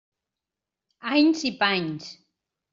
Anys i panys.